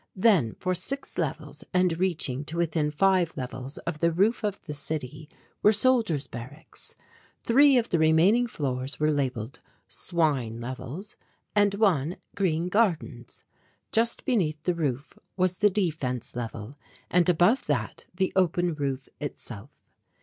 Then, for six levels, and reaching to within five levels of the roof of the city, were soldiers' barracks. Three of the remaining floors were labelled "Swine Levels" and one "Green Gardens." Just beneath the roof was the defence level and above that the open roof itself.